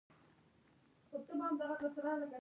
ته مي خوښ یې